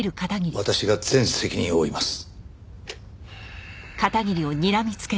私が全責任を負います。